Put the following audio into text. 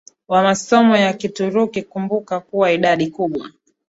wa masomo ya Kituruki Kumbuka kuwa idadi kubwa